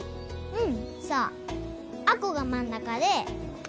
うん。